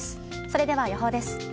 それでは、予報です。